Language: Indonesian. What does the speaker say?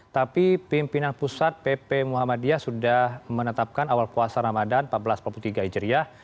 tapi pimpinan pusat pp muhammadiyah sudah menetapkan awal kuasa ramadan empat belas empat puluh tiga hijriyah